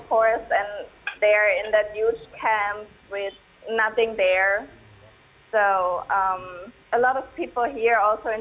ya karena sangat sedih karena banyak orang harus pergi tentunya dan mereka berada di kamp besar tanpa apa apa